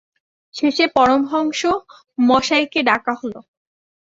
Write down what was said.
শেষে পরমহংস মশাইকে ডাকা হল।